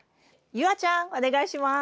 夕空ちゃんお願いします。